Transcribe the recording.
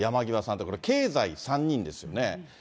だから、経済３人ですよね。